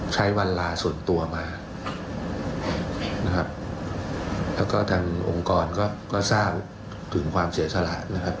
ใช้เวลาส่วนตัวมานะครับแล้วก็ทางองค์กรก็ทราบถึงความเสียสละนะครับ